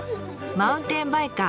マウンテンバイカー